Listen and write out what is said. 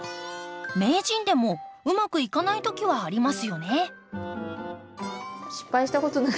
名人でもうまくいかない時はありますよね。